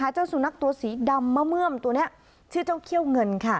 เจ้าสุนัขตัวสีดำมะเมื่อมตัวนี้ชื่อเจ้าเขี้ยวเงินค่ะ